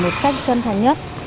một cách chân thành nhất